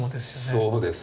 そうです。